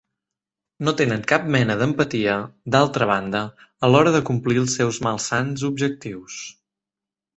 No tenen cap mena d'empatia, d'altra banda, a l'hora de complir els seus malsans objectius.